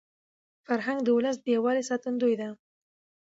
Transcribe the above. فرهنګ د ولس د یووالي ساتندوی دی.